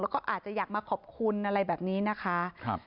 แล้วก็อาจจะอยากมาขอบคุณอะไรแบบนี้นะคะ